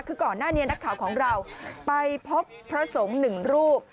คือก่อนหน้านี้นักข่าวของเราไปพบพระสงฆ์หนึ่งรูป